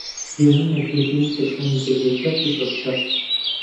پێم وایە تێبینی کەسانی تر یەکجار سوودبەخشە